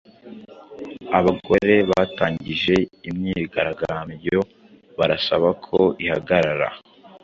Abagore batangije imyigaragambyo barasaba ko ihagarara